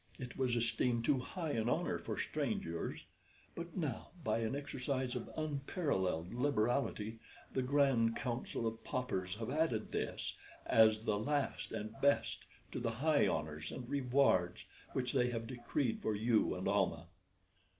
It was esteemed too high an honor for strangers; but now, by an exercise of unparalleled liberality, the Grand Council of Paupers have added this, as the last and best, to the high honors and rewards which they have decreed for you and Almah."